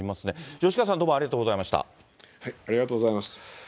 吉川さん、どうもありがとうござありがとうございます。